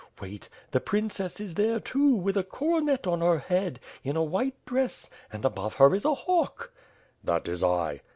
Wait! The prin cess is there, too, with a coronet on her head, in a white dress; and, above her, is a hawk/ "That is I."